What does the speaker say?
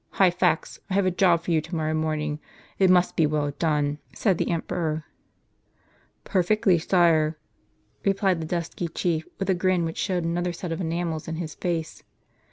" Hyphax, I have a job for you to morrow morning. It must be well done," said the emperor. " Perfectly, sire," replied the dusky chief, with a grin which showed another set of enamels in his face.